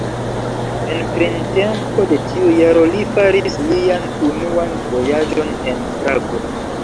En printempo de tiu jaro li faris lian unuan vojaĝon en Prago.